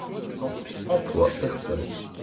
Le centre emploie personnes.